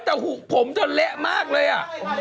แต่ผมต้องแหละมากเลยอะ